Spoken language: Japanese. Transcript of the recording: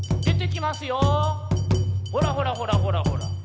ほらほらほらほらほら。